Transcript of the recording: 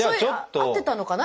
合ってたのかな？